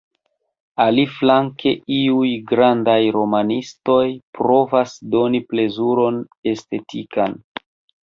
Aliflanke, iuj grandaj romanistoj provas doni plezuron estetikan.